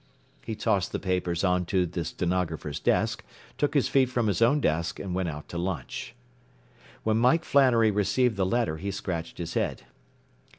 '” He tossed the papers on to the stenographer's desk, took his feet from his own desk and went out to lunch. When Mike Flannery received the letter he scratched his head.